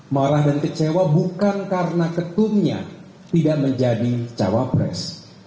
marah dan kecewa bukan karena ketumnya tidak menjadi cawapres